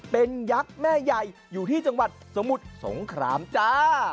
เป็นยักษ์แม่ใหญ่อยู่ที่จังหวัดสมุทรสงครามจ้า